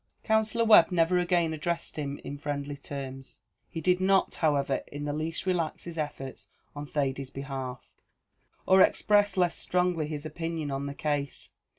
Counsellor Webb never again addressed him in friendly terms. He did not, however, in the least relax his efforts on Thady's behalf, or express less strongly his opinion on the case.